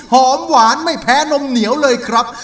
หอมหวานไม่แพ้นมเหนียวเลยครับ